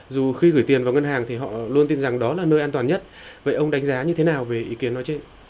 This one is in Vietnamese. dù khi gửi tiền vào ngân hàng thì họ luôn tin rằng đó là nơi an toàn nhất vậy ông đánh giá như thế nào về ý kiến nói trên